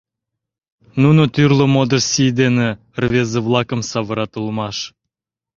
Нуно тӱрлӧ модыш сий дене рвезе-влакым савырат улмаш.